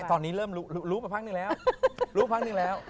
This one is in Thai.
ไม่ตอนนี้เริ่มรู้รู้มาพักหนึ่งแล้ว